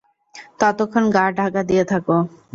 ততক্ষণ গাঁ ঢাকা দিয়ে থাকো।